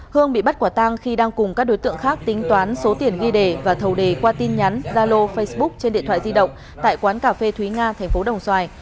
hương bị bắt quả tang khi đang cùng các đối tượng khác tính toán số tiền ghi đề và thầu đề qua tin nhắn gia lô facebook trên điện thoại di động tại quán cà phê thúy nga thành phố đồng xoài